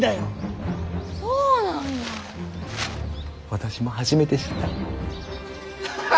私も初めて知った。